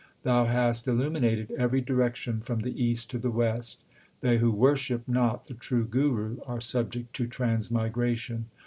Thou hast illuminated every direction from the east to the west. They who worship not the true Guru are subject to trans migration.